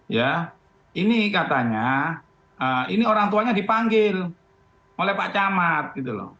ya ini katanya ini orang tuanya dipanggil oleh pak camat gitu loh